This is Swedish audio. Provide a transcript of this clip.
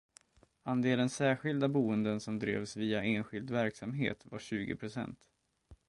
Andelen särskilda boenden som drevs via enskild verksamhet var tjugo procent.